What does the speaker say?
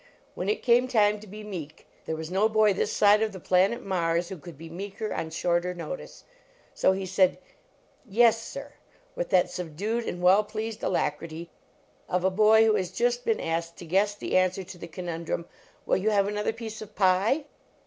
When it came time to be meek, there was no boy this side of the planet Mars who could be meeker, on shorter notice. So he said, " Yes, sir," with that subdued and well pleased alacrity of a boy who has just been asked to gm ^ the answer to the conundrum, "Will you have another piece of pic?